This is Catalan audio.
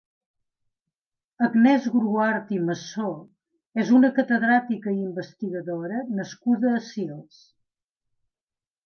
Agnès Gruart i Massó és una catedràtica i investigadora nascuda a Sils.